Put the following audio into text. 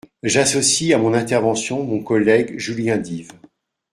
J’associe à mon intervention mon collègue Julien Dive.